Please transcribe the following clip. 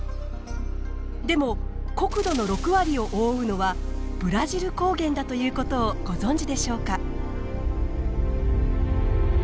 でも国土の６割を覆うのはブラジル高原だという事をご存じでしょうか？